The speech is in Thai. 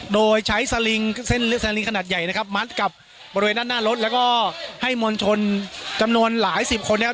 โดยใช้สลิงเส้นสลิงขนาดใหญ่นะครับมัดกับบริเวณด้านหน้ารถแล้วก็ให้มวลชนจำนวนหลายสิบคนนะครับ